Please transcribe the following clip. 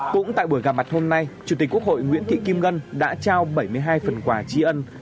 cũng tại buổi gặp mặt hôm nay chủ tịch quốc hội nguyễn thị kim ngân đã trao bảy mươi hai phần quà tri ân